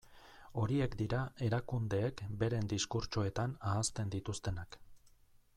Horiek dira erakundeek beren diskurtsoetan ahazten dituztenak.